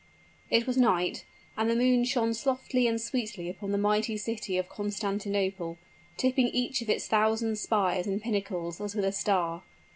It was night and the moon shone softly and sweetly upon the mighty city of Constantinople, tipping each of its thousand spires and pinnacles as with a star.